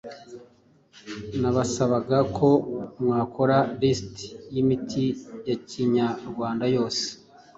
nabasabaga ko mwakora list yimiti yakinyarwanda yose